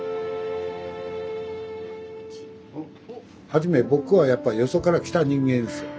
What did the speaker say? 初め僕はやっぱりよそから来た人間ですよ。